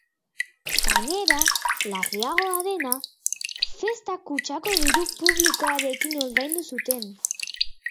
Gainera, larriagoa dena, festa kutxako diru publikoarekin ordaindu zuten.